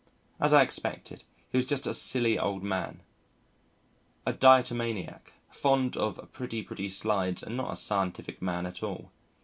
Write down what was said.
As I expected, he was just a silly old man, a diatomaniac fond of pretty pretty slides and not a scientific man at all.